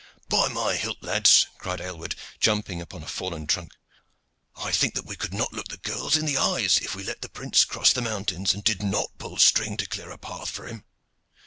"By my hilt! lads," cried Aylward, jumping upon the fallen trunk, "I think that we could not look the girls in the eyes if we let the prince cross the mountains and did not pull string to clear a path for him.